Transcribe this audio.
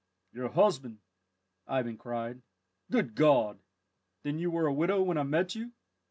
"Your husband!" Ivan cried; "good God! then you were a widow when I met you?"